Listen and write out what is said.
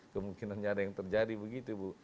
kemungkinannya ada yang terjadi begitu ibu